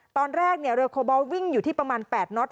ตอนแรกเรือโคบอลวิ่งอยู่ที่ประมาณ๘น็อต